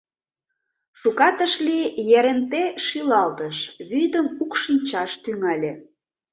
...Шукат ыш лий, Еренте шӱлалтыш, вӱдым укшинчаш тӱҥале.